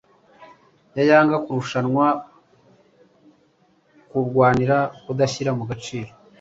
ya yang kurushanwa kurwanira kudashyira mu gaciro